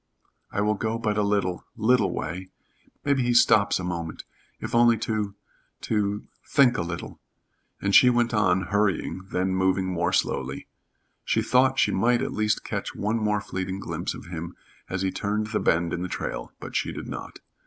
"I will go but a little little way. Maybe he stops a moment, if only to to think a little," and she went on, hurrying, then moving more slowly. She thought she might at least catch one more fleeting glimpse of him as he turned the bend in the trail, but she did not.